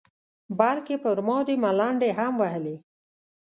بلکې پر ما دې ملنډې هم وهلې.